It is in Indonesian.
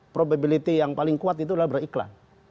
probability yang paling kuat itu adalah beriklan